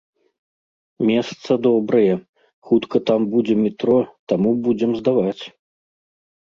Месца добрае, хутка там будзе метро, таму будзем здаваць.